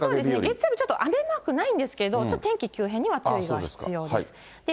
日曜日は雨マークないんですけど、ちょっと天気急変には注意が必要です。